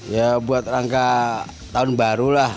ya buat rangka tahun baru lah